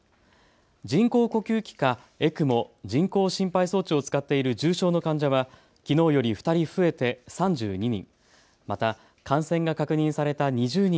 人工呼吸器かＥＣＭＯ・人工心肺装置を使っている重症の患者はきのうより２人増えて３２人。